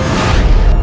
dan bagus guru